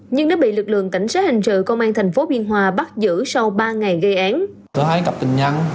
nhưng đã bị lực lượng cảnh sát hình sự công an thành phố biên hòa bắt giữ sau ba ngày gây án